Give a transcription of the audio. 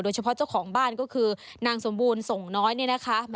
เฉพาะเจ้าของบ้านก็คือนางสมบูรณ์ส่งน้อยเนี่ยนะคะ